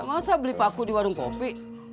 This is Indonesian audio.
masa beli paku di wadung kopi